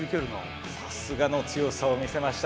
さすがの強さを見せました